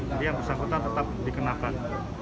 jadi yang bersangkutan tetap dikenakan